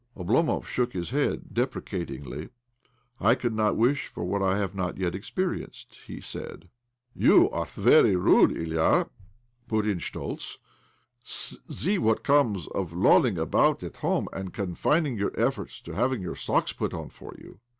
Oblomov shook his head deprecatingly. " I could not wish for what I have not yet experienced," he said. " You are very rude, Ilya," put in Schtoltz. " See what comes of lolling about at home and confining your efforts to having your^ socks put on for you."